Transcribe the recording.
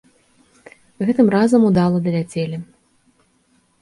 Гэтым разам удала даляцелі.